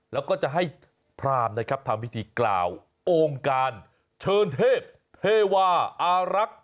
แล้วก็จะให้พรามนะครับทำพิธีกล่าวองค์การเชิญเทพเทวาอารักษ์